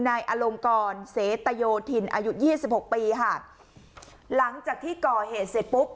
นายอลงกรเสตโยธินอายุยี่สิบหกปีค่ะหลังจากที่ก่อเหตุเสร็จปุ๊บ